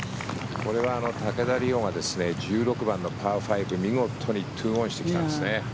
これは竹田麗央が１６番のパー５見事に２オンしてきたんですね。